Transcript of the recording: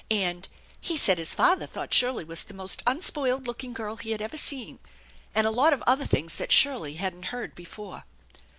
and " He said his father thought Shirley was the most unspoiled looking girl he had ever seen !" and a lot of other things that Shirley hadn't heard before.